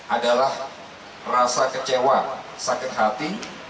adalah rasa kecewa sakit hati